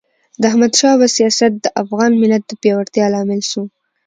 د احمد شاه بابا سیاست د افغان ملت د پیاوړتیا لامل سو.